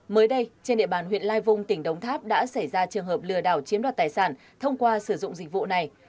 mới đây trên địa bàn huyện lai vung tỉnh đống tháp đã xảy ra trường hợp lừa đảo chiếm đoạt tài sản thông qua sử dụng dịch vụ này